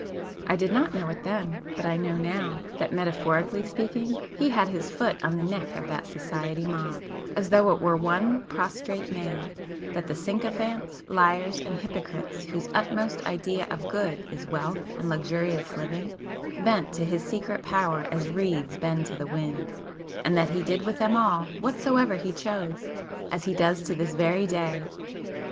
I did not know it then, but I know now, that metaphorically speaking, he had his foot on the neck of that 'society' mob, as though it were one prostrate man;—that the sycophants, liars and hypocrites whose utmost idea of good is wealth and luxurious living, bent to his secret power as reeds bend to the wind,—and that he did with them all whatsoever he chose,—as he does to this very day!